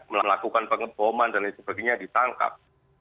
melakukan pengeboman dan lain sebagainya ditangkap